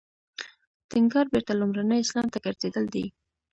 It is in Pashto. ټینګار بېرته لومړني اسلام ته ګرځېدل دی.